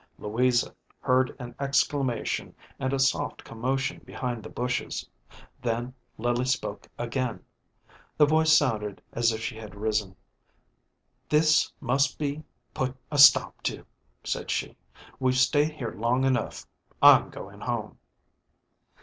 Louisa heard an exclamation and a soft commotion behind the bushes; then Lily spoke again the voice sounded as if she had risen. "This must be put a stop to," said she. " We've stayed here long enough. I'm going home."